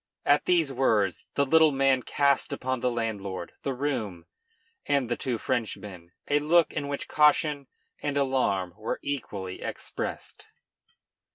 At these words the little man cast upon the landlord, the room, and the two Frenchmen a look in which caution and alarm were equally expressed.